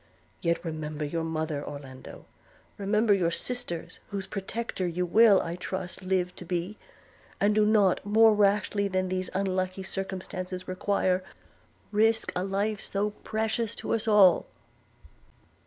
– Yet remember your mother, Orlando: remember your sisters, whose protector you will, I trust, live to be; and do not, more rashly than these unlucky circumstances require, risk a life so precious to us all.'